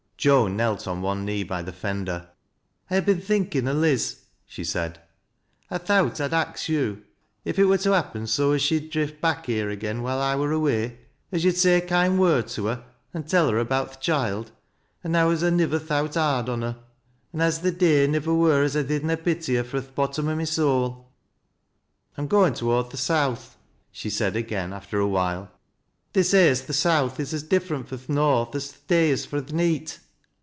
Joan knelt on one knee by the fender. "I ha' bin thinkin' o' Liz," she said. "I thowt I'd ax yo' — if it wur to happen so as she'd drift back here agen vhile I wur away — as yo'd say a kind word to her, an' tell her about th' choild, an' how as I niwer thowt hard on her, an' as th' day niwer wur as I did na pity her fro' th' bottom o' my soul. I'm goin' toward th' south," she said again after a while. ". They say as th' south is as differ eiit fio' th' north as th' day is fro' the neet.